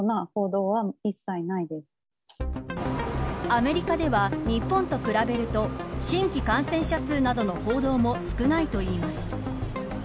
アメリカでは、日本と比べると新規感染者数などの報道も少ないといいます。